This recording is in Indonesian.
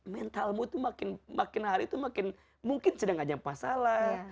mentalmu itu makin hari itu makin mungkin sedang ada masalah